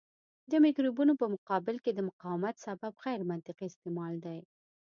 د مکروبونو په مقابل کې د مقاومت سبب غیرمنطقي استعمال دی.